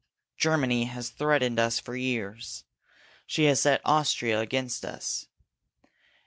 Germany has threatened us for years. She has set Austria against us.